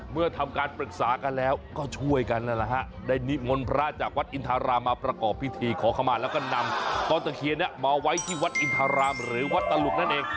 เมื่อทำการปรึกษากันแล้วก็ช่วยกันนะฮะได้นิมนต์พระจากวัดอินทารามมาประกอบพิธีขอขมาแล้วก็นำต้นตะเคียนนี้มาไว้ที่วัดอินทรารามหรือวัดตลุกนั่นเอง